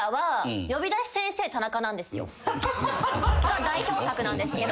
が代表作なんですけど。